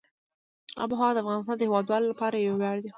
آب وهوا د افغانستان د هیوادوالو لپاره یو ویاړ دی.